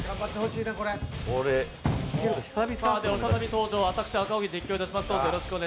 再び登場、私、赤荻が実況いたします。